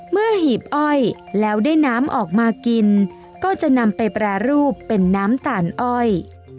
หีบอ้อยแล้วได้น้ำออกมากินก็จะนำไปแปรรูปเป็นน้ำตาลอ้อย